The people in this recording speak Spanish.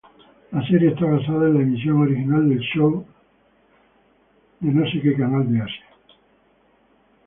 La serie está basada en la emisión original del show de Disney Channel Asia.